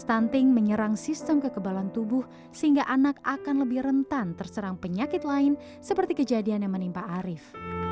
stunting menyerang sistem kekebalan tubuh sehingga anak akan lebih rentan terserang penyakit lain seperti kejadian yang menimpa arief